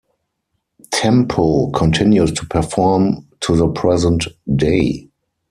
Tempo continues to perform to the present day.